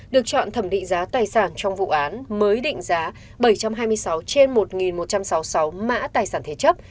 được chọn thẩm định giá tài sản trong vụ án mới định giá bảy trăm hai mươi sáu trên một một trăm sáu mươi sáu mã tài sản thế chấp